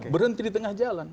berhenti di tengah jalan